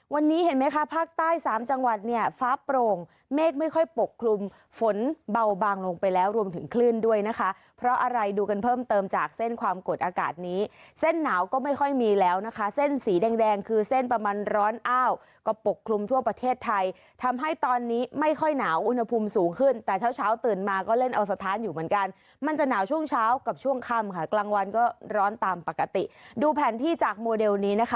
วันนี้เห็นไหมคะภาคใต้๓จังหวัดเนี่ยฟ้าโปร่งเมฆไม่ค่อยปกคลุมฝนเบาบางลงไปแล้วรวมถึงคลื่นด้วยนะคะเพราะอะไรดูกันเพิ่มเติมจากเส้นความกดอากาศนี้เส้นหนาวก็ไม่ค่อยมีแล้วนะคะเส้นสีแดงคือเส้นประมาณร้อนอ้าวก็ปกคลุมทั่วประเทศไทยทำให้ตอนนี้ไม่ค่อยหนาวอุณหภูมิสูงขึ้นแต่เช้าตื่น